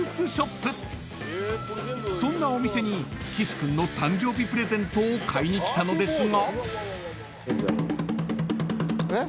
［そんなお店に岸君の誕生日プレゼントを買いに来たのですが］